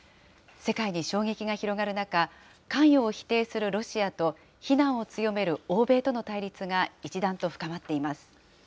世界に衝撃が広がる中、関与を否定するロシアと非難を強める欧米との対立が一段と深まっ